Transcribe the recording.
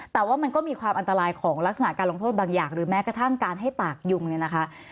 แต่ว่ามันก็มีความอันตรายของลักษณะการลงโทษบางอย่างหรือแม้กระทั่งการให้ตากยุงเนี่ยนะคะ